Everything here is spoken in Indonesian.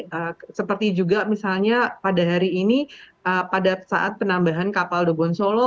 jadi seperti juga misalnya pada hari ini pada saat penambahan kapal de bonsole